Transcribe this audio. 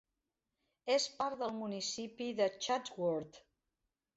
És part del municipi de Chatsworth.